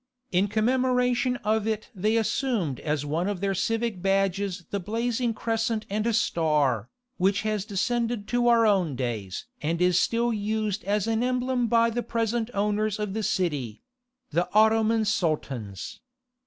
In commemoration of it they assumed as one of their civic badges the blazing crescent and star, which has descended to our own days and is still used as an emblem by the present owners of the city—the Ottoman Sultans.